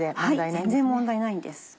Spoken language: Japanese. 全然問題ないんです。